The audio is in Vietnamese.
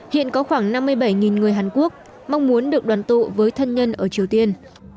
hiện có khoảng năm mươi bảy người hàn quốc mong muốn được đoàn tụ với thân nhân ở triều tiên